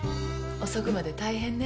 遅くまで大変ね。